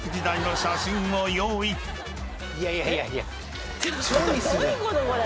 いやいやいやいや。